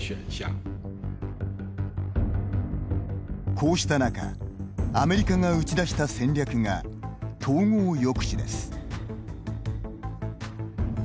こうした中、アメリカが打ち出した戦略が統合抑止です。